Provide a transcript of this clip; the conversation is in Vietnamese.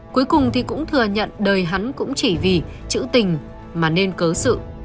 cuối cùng thì cũng thừa nhận đời hắn cũng chỉ vì chữ tình mà nên cớ sự